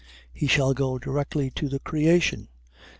He shall go directly to the creation.